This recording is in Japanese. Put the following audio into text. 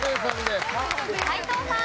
斎藤さん。